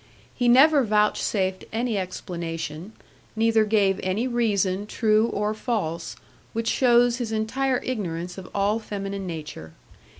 He never vouchsafed any explanation, neither gave any reason, true or false, which shows his entire ignorance of all feminine nature.